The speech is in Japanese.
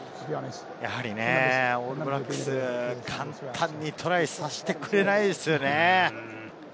やはりオールブラックス、簡単にトライさせてくれないですよね。